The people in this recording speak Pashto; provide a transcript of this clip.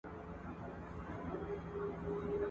چي د نارينه بر لاستيا پر ښځه جوته سوه